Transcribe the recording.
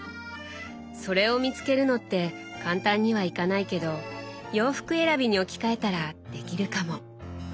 それを見つけるのって簡単にはいかないけど洋服選びに置き換えたらできるかも。